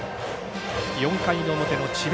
４回の表の智弁